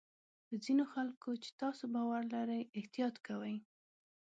په ځینو خلکو چې تاسو باور لرئ احتیاط کوئ.